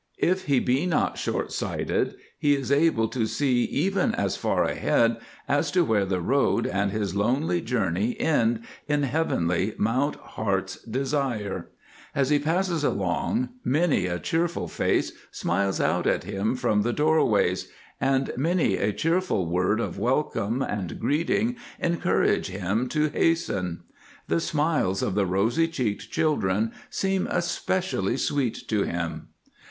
If he be not short sighted, he is able to see even as far ahead as to where the road and his lonely journey end in heavenly Mount Heart's Desire. As he passes along many a cheerful face smiles out at him from the doorways, and many a cheerful word of welcome and greeting encourages him to hasten. The smiles of the rosy cheeked children seem especially sweet to him.